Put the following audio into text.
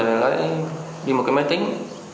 rồi lại đi một cái máy tính